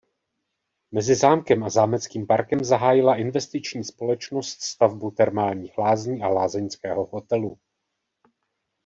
Mezi zámkem a zámeckým parkem zahájila investiční společnost stavbu termálních lázní a lázeňského hotelu.